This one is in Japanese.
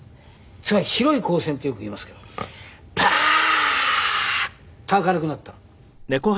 つまり白い光線ってよく言いますけどパーッと明るくなったの。